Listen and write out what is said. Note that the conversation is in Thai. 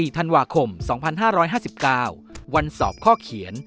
ธันวาคม๒๕๕๙วันสอบข้อเขียน